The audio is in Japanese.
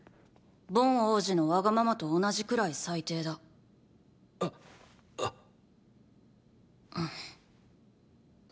ボン王子のワガママと同じくらい最低だ。っぁ。